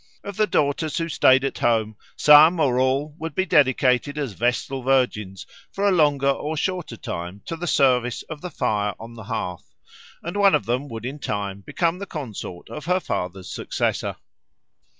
Of the daughters who stayed at home, some or all would be dedicated as Vestal Virgins for a longer or shorter time to the service of the fire on the hearth, and one of them would in time become the consort of her father's successor.